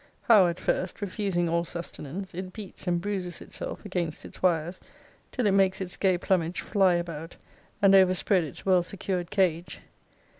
how, at first, refusing all sustenance, it beats and bruises itself against its wires, till it makes its gay plumage fly about, and over spread its well secured cage.